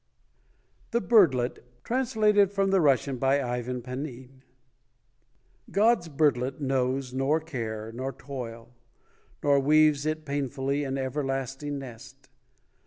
THE BIRDLET (Translated from the Russian by IVAN PANIN) God's birdlet knows Nor care, nor toil; Nor weaves it painfully An everlasting nest.